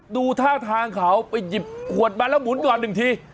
ดูท่าทางเขาไปหยิบขวดมะระหมุนก่อน๑ที